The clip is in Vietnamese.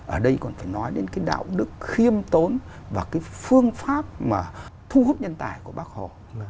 ở đây còn phải nói đến cái đạo đức khiêm tốn và cái phương pháp mà thu hút nhân tài của bác hồ